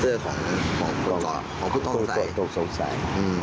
เสื้อของผู้ต้องสงสัย